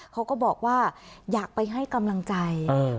เขาก็บอกว่าอยากไปให้กำลังใจ